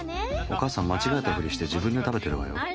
お母さん間違えたフリして自分で食べてるわよ。